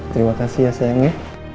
terima kasih ya sayangnya